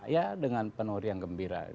ya dengan penuh riang gembira